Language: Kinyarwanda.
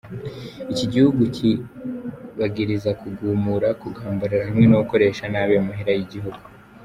Iki gihugu kibagiriza kugumura, kugambarara hamwe no gukoresha nabi amahera y'igihugu.